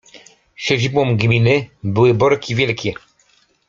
Siedzibą gminy były Borki Wielkie.